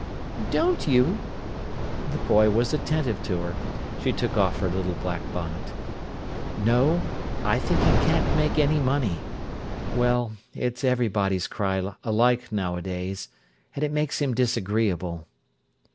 "Don't you?" The boy was attentive to her. She took off her little black bonnet. "No. I think he can't make any money—well, it's everybody's cry alike nowadays—and it makes him disagreeable."